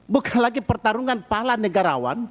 bukan lagi pertarungan pahala negarawan